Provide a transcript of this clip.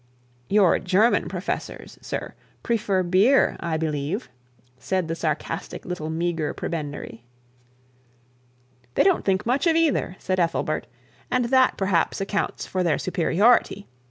'Your German professors, sir, prefer beer, I believe,' said the sarcastic little meagre prebendary. 'They don't think much of either,' said Ethelbert; 'and that perhaps accounts for their superiority.